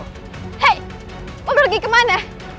hei mau pergi kemana